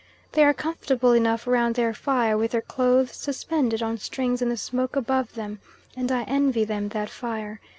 They are comfortable enough round their fire, with their clothes suspended on strings in the smoke above them, and I envy them that fire.